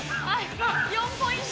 ４ポイント。